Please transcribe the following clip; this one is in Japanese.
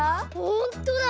ほんとだ！